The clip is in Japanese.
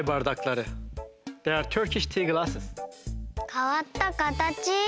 かわったかたち！